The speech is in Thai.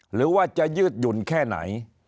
หรือว่าจะยืดหยุ่นแค่ไหน